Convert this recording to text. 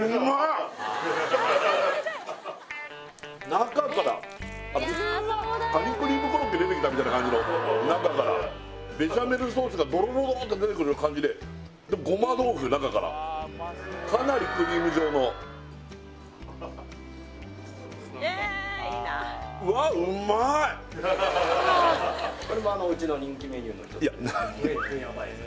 中からカニクリームコロッケ出てきたみたいな感じの中からベシャメルソースがドロドロって出てくる感じででも胡麻豆腐中からかなりクリーム状のうわっこれヤバいですね